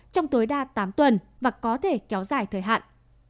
trong tối đa tám tuần và có thể kéo dài thời hạn